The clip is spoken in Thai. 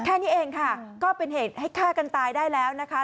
แค่นี้เองค่ะก็เป็นเหตุให้ฆ่ากันตายได้แล้วนะคะ